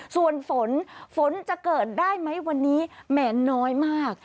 ส่วนฝนฝนจะเกิดได้ไหมวันนี้แหมน้อยมาก